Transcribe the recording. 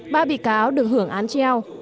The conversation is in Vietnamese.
ba bị cáo được hưởng án treo